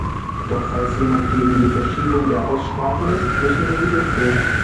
Doch falls jemand gegen die Verschiebung der Aussprachen ist, müssen wir sie durchführen.